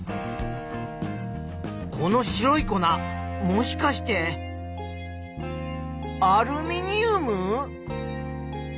この白い粉もしかしてアルミニウム？